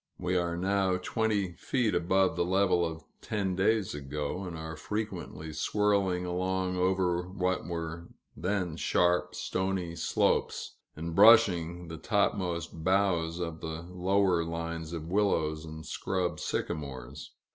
We are now twenty feet above the level of ten days ago, and are frequently swirling along over what were then sharp, stony slopes, and brushing the topmost boughs of the lower lines of willows and scrub sycamores.